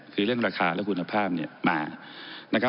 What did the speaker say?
คือเรื่องราคาและคุณภาพมา